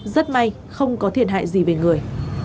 rất may không có thiệt hại gì về người